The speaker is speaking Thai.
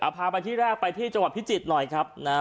พาไปที่แรกไปที่จังหวัดพิจิตรหน่อยครับนะฮะ